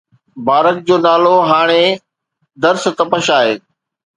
بارڪ جو نالو هاڻي درس تپش آهي